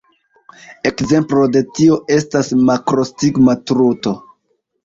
Ekzemplo de tio estas la makrostigma truto.